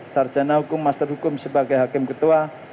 sarjana hukum master hukum sebagai hakim ketua